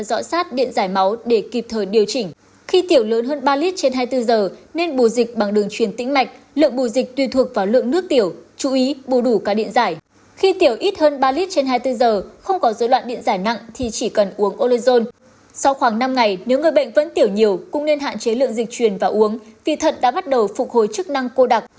sau khoảng năm ngày nếu người bệnh vẫn tiểu nhiều cũng nên hạn chế lượng dịch truyền và uống vì thận đã bắt đầu phục hồi chức năng cô đặc